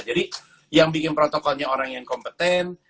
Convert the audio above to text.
jadi yang bikin protokolnya orang yang kompeten